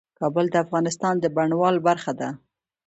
کابل د افغانستان د بڼوالۍ برخه ده.